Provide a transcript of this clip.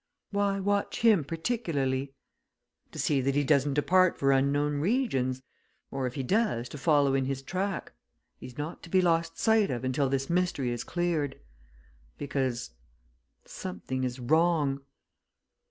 "Why watch him particularly?" "To see that he doesn't depart for unknown regions or, if he does, to follow in his track. He's not to be lost sight of until this mystery is cleared. Because something is wrong."